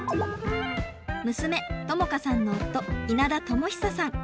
娘孝佳さんの夫稲田智久さん。